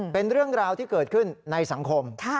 เป็นเรื่องราวที่เกิดขึ้นในสังคม